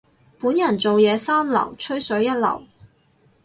本人做嘢三流，吹水一流。